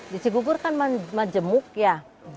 jujun syukur kan majemuk ya